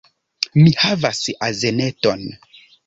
Mi havas azeneton